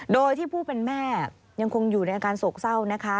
โดยที่ผู้เป็นแม่ยังคงอยู่ในอาการโศกเศร้านะคะ